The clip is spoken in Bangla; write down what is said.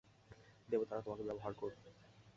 দেবতারা তোমাকে ব্যবহার করবে।